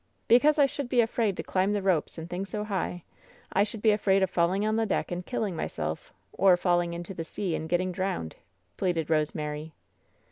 "Because I should be afraid to climb the ropes and things so high. I should be afraid of falling on the deck and killing myself, or falling into the sea and get* ting drowned," pleaded Rosemary.